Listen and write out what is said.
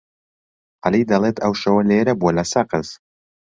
عەلی دەڵێت ئەو شەوە لێرە بووە لە سەقز.